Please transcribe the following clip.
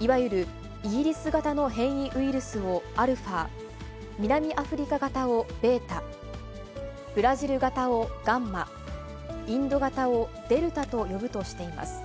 いわゆるイギリス型の変異ウイルスをアルファ、南アフリカ型をベータ、ブラジル型をガンマ、インド型をデルタと呼ぶとしています。